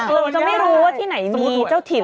เสมอตูยก็ไม่รู้ว่าที่ไหนมีเจ้าถิ่น